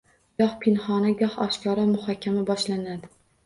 Goh pinhona, goh oshkora muhokama boshlanadi.